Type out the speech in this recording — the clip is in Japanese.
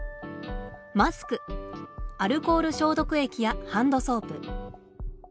マスクアルコール消毒液やハンドソープ。